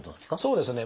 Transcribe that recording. そうですね。